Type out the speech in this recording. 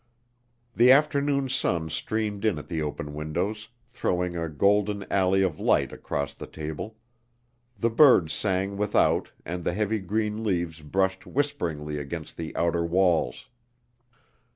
The afternoon sun streamed in at the open windows, throwing a golden alley of light across the table; the birds sang without and the heavy green leaves brushed whisperingly against the outer walls.